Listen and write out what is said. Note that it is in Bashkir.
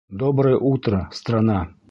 Доброе утро, страна!